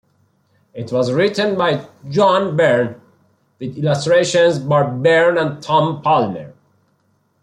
It was written by John Byrne, with illustrations by Byrne and Tom Palmer.